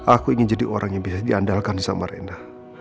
aku ingin jadi orang yang bisa diandalkan sama rena